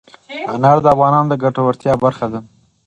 انار د افغانانو د ګټورتیا برخه ده.